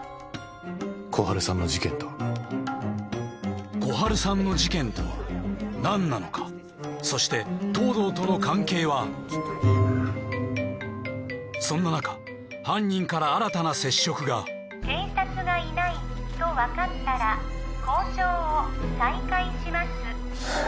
心春さんの事件と心春さんの事件とは何なのかそして東堂との関係はそんな中犯人から新たな接触が警察がいないとわかったら交渉を再開します